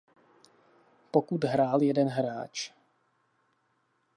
Pokud hrál jeden hráč.